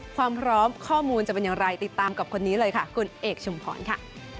ความพร้อมข้อมูลจะเป็นอย่างไรติดตามกับคนนี้เลยค่ะคุณเอกชุมพรค่ะ